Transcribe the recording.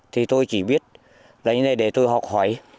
thì tôi chỉ biết là như này để tôi học hỏi